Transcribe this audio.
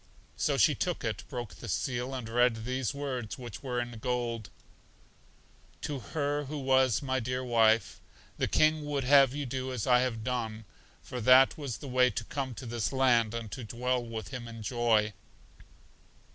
So she took it, broke the seal, and read these words, which were in gold: "To her who was my dear wife. The King would have you do as I have done, for that was the way to come to this land, and to dwell with Him in joy."